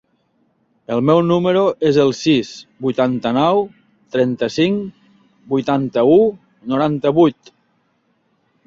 El meu número es el sis, vuitanta-nou, trenta-cinc, vuitanta-u, noranta-vuit.